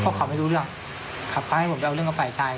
เพราะเขาไม่รู้เรื่องครับเขาให้ผมไปเอาเรื่องกับฝ่ายชาย